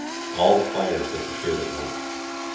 All the fires disappeared at once.